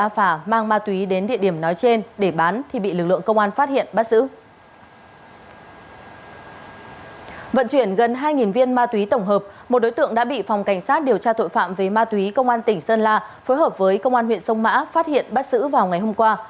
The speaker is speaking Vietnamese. phối hợp với công an huyện sông mã phát hiện bắt giữ vào ngày hôm qua